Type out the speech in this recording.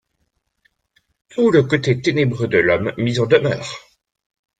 Tout le côté ténébreux de l’homme mis en demeure.